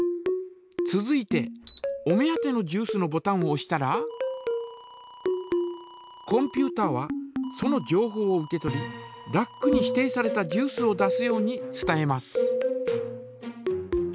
続いてお目当てのジュースのボタンをおしたらコンピュータはそのじょうほうを受け取りラックに指定されたジュースを出すように伝えます。